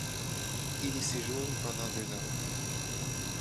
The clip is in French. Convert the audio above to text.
Il y séjourne pendant deux ans.